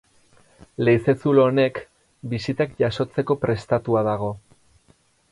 Leize-zulo honek bisitak jasotzeko prestatua dago.